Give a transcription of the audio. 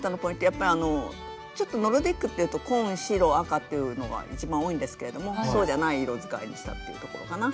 やっぱりちょっとノルディックっていうと紺白赤っていうのが一番多いんですけれどもそうじゃない色使いにしたっていうところかな。